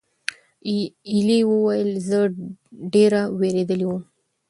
ایلي وویل: "زه ډېره وېرېدلې وم."